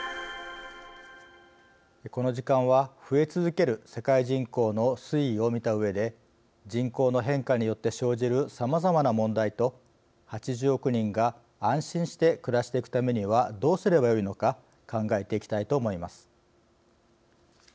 この時間は、増え続ける世界人口の推移を見たうえで人口の変化によって生じるさまざまな問題と８０億人が安心して暮らしていくためにはどうすればよいのか考えていきたいと思います。